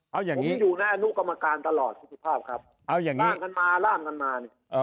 เอาอย่างงี้ผมอยู่ในอนุกรรมการตลอดสุทธิภาพครับเอาอย่างงี้ล่ามกันมาล่ามกันมานี่